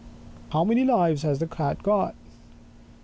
19 How many Lives has the Cat got?